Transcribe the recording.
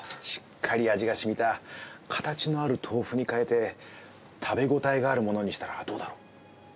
しっかり味がしみた形のある豆腐に変えて、食べ応えがあるものにしたら、どうだろう。